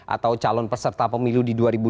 atau calon peserta pemilu di dua ribu dua puluh